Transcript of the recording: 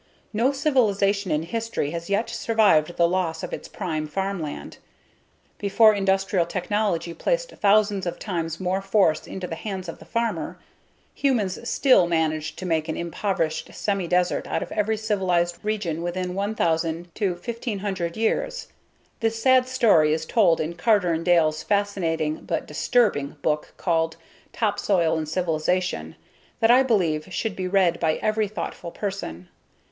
No civilization in history has yet survived the loss of its prime farmland. Before industrial technology placed thousands of times more force into the hands of the farmer, humans still managed to make an impoverished semi desert out of every civilized region within 1,000 1,500 years. This sad story is told in Carter and Dale's fascinating, but disturbing, book called _Topsoil and Civilization _that I believe should be read by every thoughtful person.